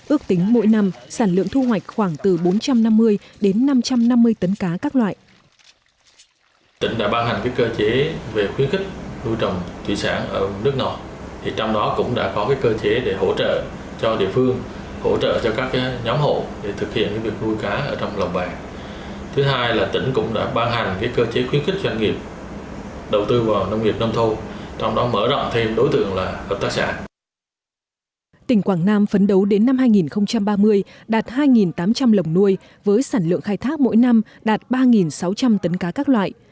ước tính mỗi năm sản lượng thu hoạch khoảng từ bốn trăm năm mươi đến năm trăm năm mươi tấn cá các loại